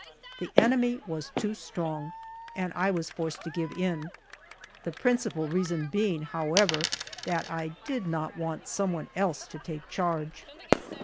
The enemy was too strong, and I was forced to give in, the principal reason being, however, that I did not want some one else to take charge!